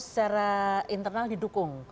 secara internal didukung